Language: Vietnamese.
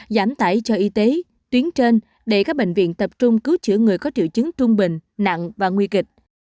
giảm tải cho y tế tuyến trên để các bệnh viện tập trung cứu chữa người có triệu chứng trung bình nặng và nguy kịch